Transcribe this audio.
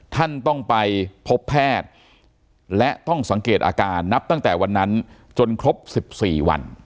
ท่านต้องไปพบแพทย์และต้องสังเกตอาการนับตั้งแต่วันนั้นจนครบ๑๔วัน